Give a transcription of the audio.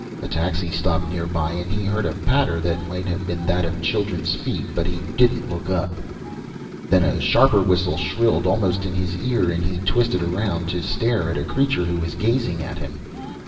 A taxi stopped nearby and he heard a patter that might have been that of children's feet, but he didn't look up. Then a sharper whistle shrilled almost in his ear and he twisted around to stare at a creature who was gazing at him.